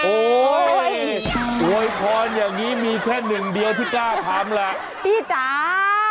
โอ้ยอวยพรอย่างนี้มีแค่หนึ่งเดียวที่กล้าทำแหละพี่จ๋า